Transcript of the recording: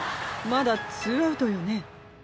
まだ２アウトよね？